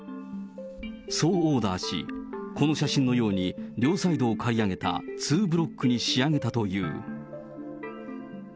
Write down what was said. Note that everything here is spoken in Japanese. そうオーダーし、この写真のように両サイドを刈り上げた、ツーブロックに仕上げたという。